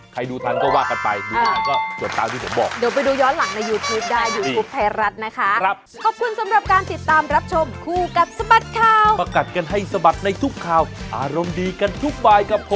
๐๙๒๘๕๑๘๖๗๔ใครดูทันก็ว่ากันไปดูทันก็ตรวจตามที่ผมบอก